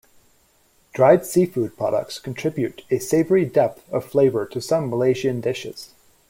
Dried seafood products contribute a savoury depth of flavour to some Malaysian dishes.